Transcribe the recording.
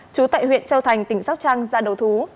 trú tại huyện châu thành tỉnh sóc trăng ra đầu thú